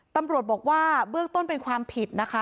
ตำรวจบอกว่าเบื้องต้นเป็นความผิดนะคะ